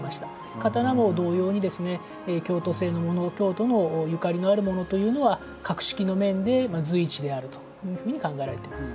刀も同様に京都製のも京都のゆかりのあるものは格式の面で随一であると考えられています。